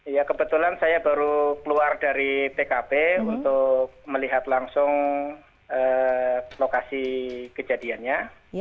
ya kebetulan saya baru keluar dari tkp untuk melihat langsung lokasi kejadiannya